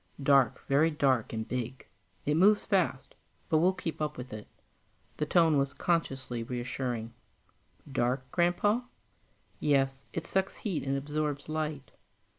"Dark, very dark, and big. It moves fast, but we'll keep up with it." The tone was consciously reassuring. "Dark, Grandpa?" "Yes, it sucks heat and absorbs light.